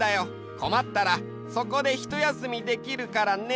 こまったらそこでひとやすみできるからね。